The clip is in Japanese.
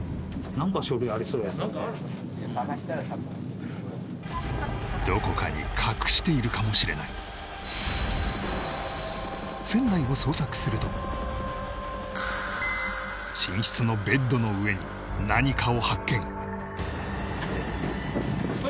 ・探したら多分どこかに隠しているかもしれないすると寝室のベッドの上に何かを発見